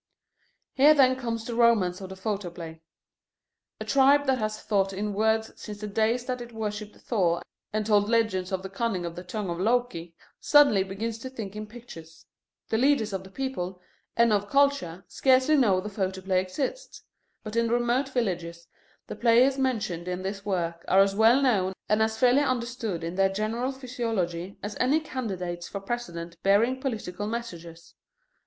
Here then comes the romance of the photoplay. A tribe that has thought in words since the days that it worshipped Thor and told legends of the cunning of the tongue of Loki, suddenly begins to think in pictures. The leaders of the people, and of culture, scarcely know the photoplay exists. But in the remote villages the players mentioned in this work are as well known and as fairly understood in their general psychology as any candidates for president bearing political messages.